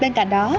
bên cạnh đó